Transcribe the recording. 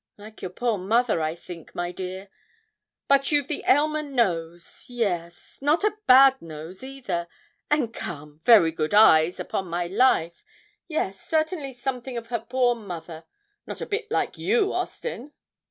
Like your poor mother, I think, my dear; but you've the Aylmer nose yes not a bad nose either, and, come! very good eyes, upon my life yes, certainly something of her poor mother not a bit like you, Austin.'